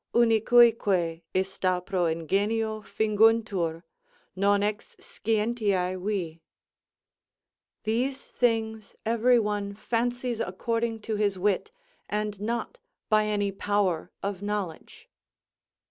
Unicuique ista pro ingenio finguntur, non ex scientiæ vi. "These things every one fancies according to his wit, and not by any power of knowledge."